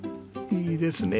いいですね！